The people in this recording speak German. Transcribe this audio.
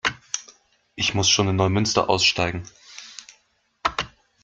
Ich muss schon in Neumünster aussteigen